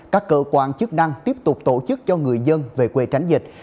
các cơ quan chức năng tiếp tục tổ chức cho người dân về quê tránh dịch